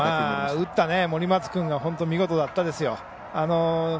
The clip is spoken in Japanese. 打った森松君が本当に見事でしたよね。